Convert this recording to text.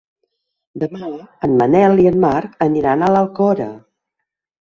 Demà en Manel i en Marc aniran a l'Alcora.